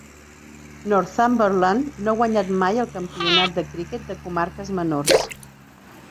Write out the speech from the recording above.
Northumberland no ha guanyat mai el campionat de criquet de comarques menors.